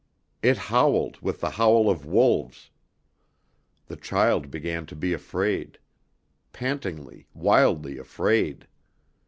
It howled with the howl of wolves. The child began to be afraid. Pantingly, wildly afraid!